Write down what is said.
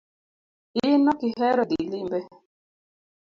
In okihero dhii limbe